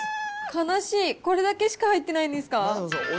悲しい、これだけしか入ってないんですか。